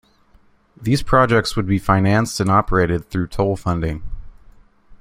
These projects would be financed and operated through toll funding.